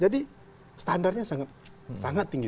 jadi standarnya sangat tinggi